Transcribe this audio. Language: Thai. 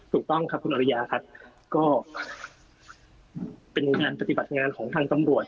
ถูกต้องครับคุณอริยาครับก็เป็นงานปฏิบัติงานของทางตำรวจ